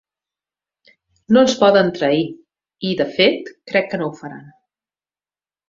No ens poden trair i, de fet, crec que no ho faran.